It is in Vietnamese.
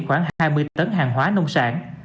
khoảng hai mươi tấn hàng hóa nông sản